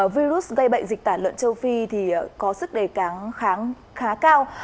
virus gây bệnh dịch tả lợn châu phi thì có sức đề kháng kháng khá cao